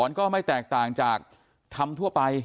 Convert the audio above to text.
เอาเป็นว่าอ้าวแล้วท่านรู้จักแม่ชีที่ห่มผ้าสีแดงไหม